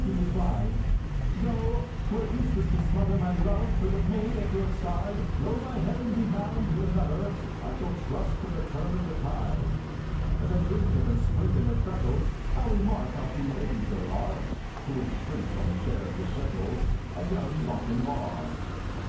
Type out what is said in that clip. He replied, "Tho' 'twere useless to smother My love for the maid at your side; Tho' my Helen be bound to another, I shall trust to the turn of the tied. As I drink to her squint and her freckles, I'll remark how few ladies there are Who would shrink from a share of the shekels Of Young Lochinvar."